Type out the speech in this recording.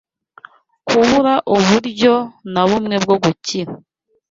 kubura uburyo na bumwe bwo gukira.